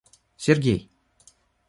Сергей